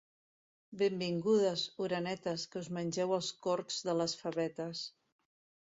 Benvingudes, orenetes, que us mengeu els corcs de les favetes.